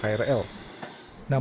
namun ada yang tidak berpikir